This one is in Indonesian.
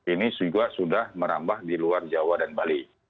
ini juga sudah merambah di luar jawa dan bali